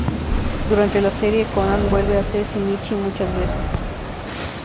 Durante la serie, "Conan" vuelve a ser Shinichi muchas veces.